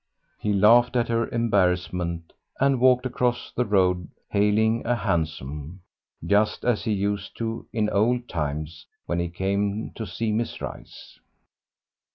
He laughed at her embarrassment and walked across the road hailing a hansom, just as he used to in old times when he came to see Miss Rice.